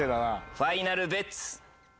ファイナルベッツ？